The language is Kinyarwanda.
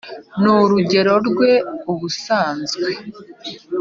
N'urugero rwe ubusanzwe,